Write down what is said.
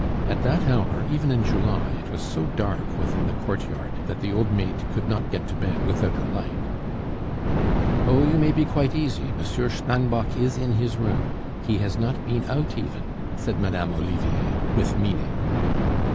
At that hour, even in July, it was so dark within the courtyard that the old maid could not get to bed without a light. "Oh, you may be quite easy, Monsieur Steinbock is in his room. He has not been out even," said Madame Olivier, with meaning.